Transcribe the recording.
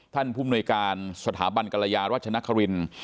ท่านผู้มนวยการสถาบันกรยาราชนครรินตร์